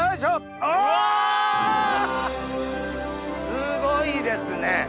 すごいですね！